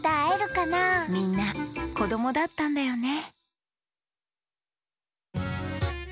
みんなこどもだったんだよね